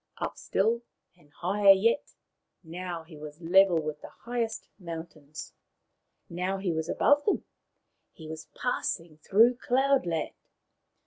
Up still, and higher yet. Now he was level with the highest mountains. Now he was above them. He was passing through Cloud land.